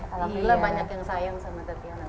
alhamdulillah banyak yang sayang sama tertiona